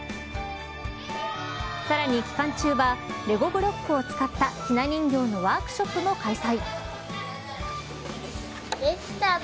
さらに、期間中はレゴブロックを使ったひな人形のワークショップも開催。